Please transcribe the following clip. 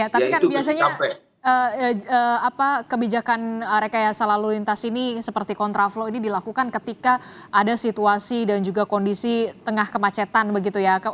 tapi kan biasanya kebijakan rekayasa lalu lintas ini seperti kontraflow ini dilakukan ketika ada situasi dan juga kondisi tengah kemacetan begitu ya